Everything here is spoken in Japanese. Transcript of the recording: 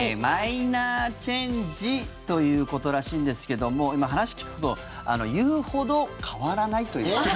マイナーチェンジということらしいんですけども今、話聞くと言うほど変わらないという。